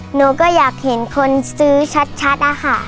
หนูก็อยากเห็นคนซื้อชัดอะค่ะ